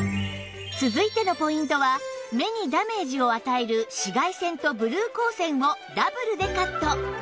続いてのポイントは目にダメージを与える紫外線とブルー光線をダブルでカット